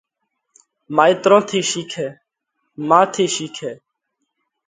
مائيترون ٿِي شِيکئه۔ مان ٿِي شِيکئه۔